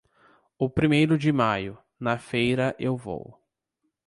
O primeiro de maio, na feira eu vou.